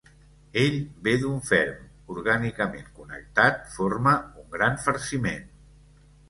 Ell ve d'un ferm, orgànicament connectat forma un gran farciment.